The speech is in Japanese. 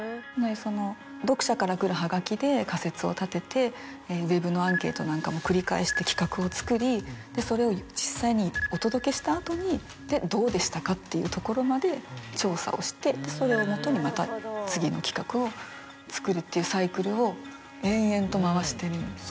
その読者から来るハガキで仮説を立ててウェブのアンケートなんかも繰り返して企画を作りそれを実際にお届けした後に「どうでしたか？」っていうところまで調査をしてそれをもとにまた次の企画を作るっていうサイクルを延々と回してるんです。